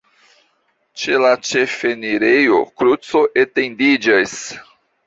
Ĉe la ĉefenirejo kruco etendiĝas.